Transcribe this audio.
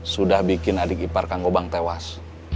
sudah bikin adik ipar kang gobang tewas